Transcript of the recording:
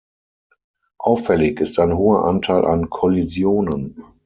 Auffällig ist ein hoher Anteil an Kollisionen.